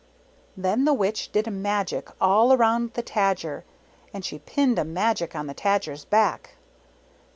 Then the Witch did a magic all around the Tajer, and she pinned a magic on the Tadger's back.